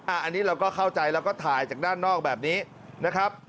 อันนี้เราก็เข้าใจแล้วก็ถ่ายจากด้านนอกแบบนี้นะครับ